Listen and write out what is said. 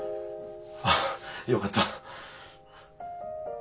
あよかった。